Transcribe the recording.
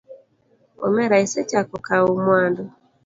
Omera isechako kawo mwandu.